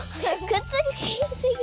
くっつきすぎ。